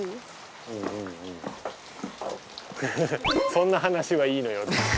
「そんな話はいいのよ。